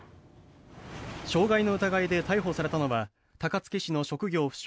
傷害の疑いで逮捕されたのは高槻市の職業不詳